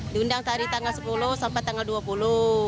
diundang dari tanggal sepuluh sampai tanggal dua puluh